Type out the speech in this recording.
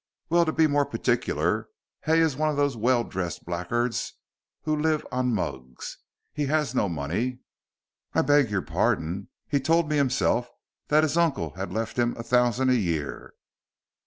"Well, to be more particular, Hay is one of those well dressed blackguards who live on mugs. He has no money " "I beg your pardon, he told me himself that his uncle had left him a thousand a year."